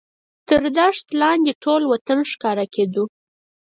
تر دښت لاندې ټول وطن ښکاره کېدو.